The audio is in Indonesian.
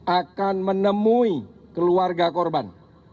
akan menemui keluarga korban